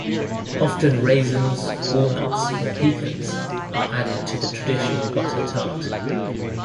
Often raisins, walnuts or pecans are added to the traditional butter tart.